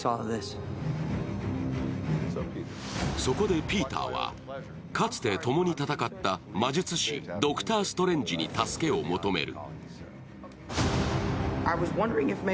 そこでピーターは、かつて共に戦った魔術師ドクター・ストレンジに助けを求める。